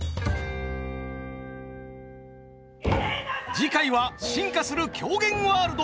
次回は進化する狂言ワールド。